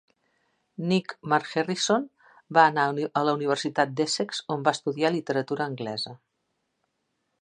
Nick Margerrison va anar a la Universitat d'Essex on va estudiar Literatura Anglesa.